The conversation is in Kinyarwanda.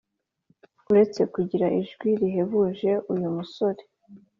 Uretse kugira ijwi rihebuje uyu musore